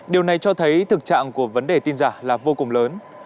điều này cho thấy thực trạng của vấn đề tin giả là vô cùng lớn